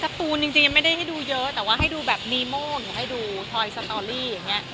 ตูนจริงยังไม่ได้ให้ดูเยอะแต่ว่าให้ดูแบบนีโม่หรือให้ดูทอยสตอรี่อย่างนี้